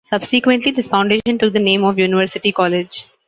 Subsequently this foundation took the name of University College.